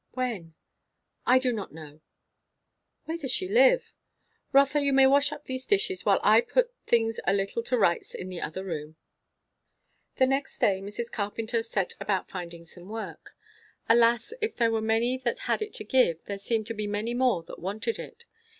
"When?" "I do not know." "Where does she live?" "Rotha, you may wash up these dishes, while I put things a little to rights in the other room." The next day Mrs. Carpenter set about finding some work. Alas, if there were many that had it to give, there seemed to be many more that wanted it.